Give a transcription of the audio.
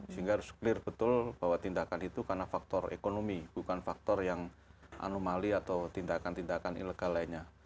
sehingga harus clear betul bahwa tindakan itu karena faktor ekonomi bukan faktor yang anomali atau tindakan tindakan ilegal lainnya